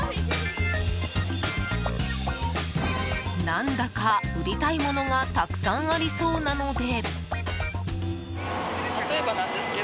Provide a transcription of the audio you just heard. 何だか売りたいものがたくさんありそうなので。